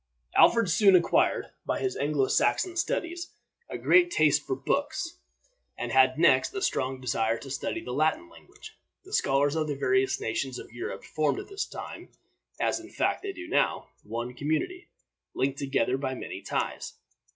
Alfred soon acquired, by his Anglo Saxon studies, a great taste for books, and had next a strong desire to study the Latin language. The scholars of the various nations of Europe formed at that time, as, in fact, they do now, one community, linked together by many ties.